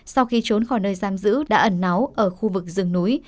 sau khi trốn khỏi nơi giam giữ đã ẩn náu ở khu vực rừng núi